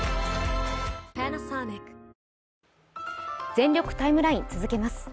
「全力ＴＩＭＥライン」続けます。